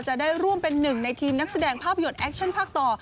จะได้ร่วมเป็นหนึ่งในทีมนักแสดงภาพยนตร์แอคชั่นภาคต่อ